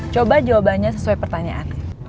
coba jawabannya sesuai pertanyaan